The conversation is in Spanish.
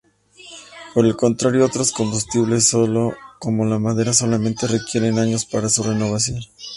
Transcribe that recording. Por el contrario, otros combustibles, como la madera solamente requieren años para su renovación.